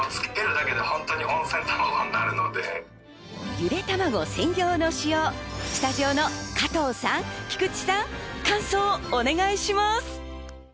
ゆでたまご専用の塩、スタジオの加藤さん、菊地さん、感想をお願いします。